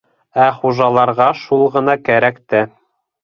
Ә хужаларға шул ғына кәрәк тә.